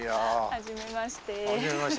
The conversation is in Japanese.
はじめまして。